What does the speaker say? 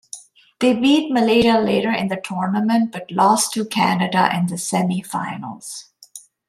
They beat Malaysia later in the tournament but lost to Canada in the semi-finals.